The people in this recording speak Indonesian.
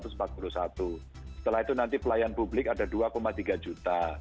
setelah itu nanti pelayan publik ada dua tiga juta